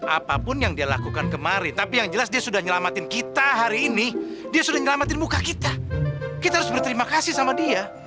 apapun yang dia lakukan kemarin tapi yang jelas dia sudah nyelamatin kita hari ini dia sudah nyelamatin muka kita kita harus berterima kasih sama dia